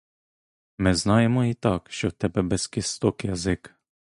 Ми знаємо і так, що в тебе без кісток язик.